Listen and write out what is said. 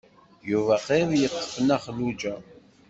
Yuba qrib yeṭṭef Nna Xelluǧa.